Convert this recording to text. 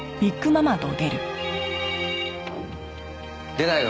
出ないの？